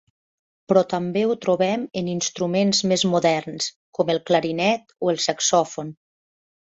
Però també ho trobem en instruments més moderns, com el clarinet o el saxòfon.